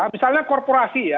misalnya korporasi ya